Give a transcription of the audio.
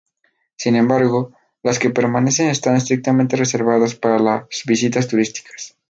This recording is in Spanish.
Sin embargo, las que permanecen están estrictamente reservadas para las visitas turísticas.